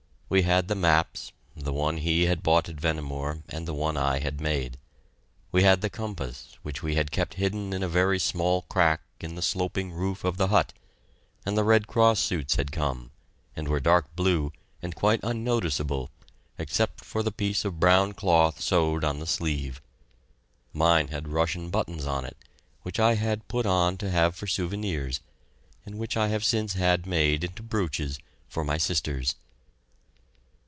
We had the maps, the one he had bought at Vehnemoor and the one I had made. We had the compass, which we had kept hidden in a very small crack in the sloping roof of the hut, and the Red Cross suits had come, and were dark blue and quite unnoticeable except for the piece of brown cloth sewed on the sleeve. Mine had Russian buttons on it, which I had put on to have for souvenirs and which I have since had made into brooches for my sisters.